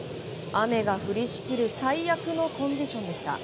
雨が降りしきる最悪のコンディションでした。